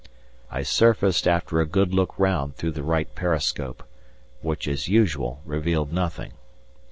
I surfaced after a good look round through the right periscope, which, as usual, revealed nothing.